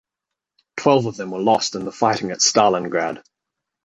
Twelve of them were lost in the fighting at Stalingrad.